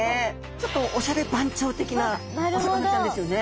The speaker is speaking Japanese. ちょっとおしゃれ番長的なお魚ちゃんですよね。